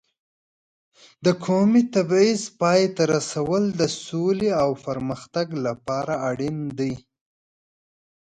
د قومي تبعیض پای ته رسول د سولې او پرمختګ لپاره اړین دي.